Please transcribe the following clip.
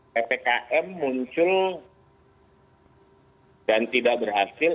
ppkm muncul dan tidak berhasil